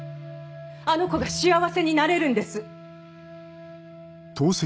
あの子が幸せになれるんです。